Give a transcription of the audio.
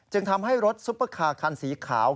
ทำให้รถซุปเปอร์คาร์คันสีขาว